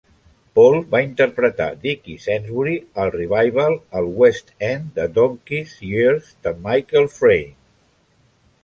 Paul va interpretar Dickie Sainsbury al revival al West End de "Donkeys' Years" de Michael Frayn.